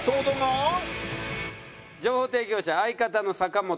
情報提供者相方の阪本。